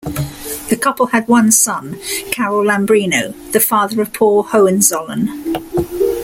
The couple had one son, Carol Lambrino, the father of Paul Hohenzollern.